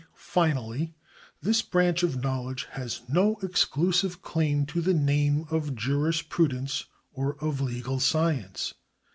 Finally, this branch of knowledge has no exclusive claim to the name of jurisprudence or of legal science.